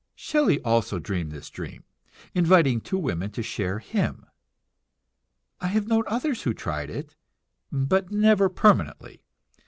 Shelley also dreamed this dream, inviting two women to share him. I have known others who tried it, but never permanently.